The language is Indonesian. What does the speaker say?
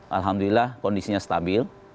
alhamdulillah kondisinya stabil